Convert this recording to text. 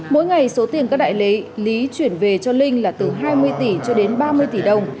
mỗi ngày số tiền các đại lý chuyển về cho linh là từ hai mươi tỷ cho đến ba mươi tỷ đồng